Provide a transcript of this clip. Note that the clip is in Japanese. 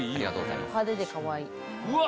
派手でかわいい。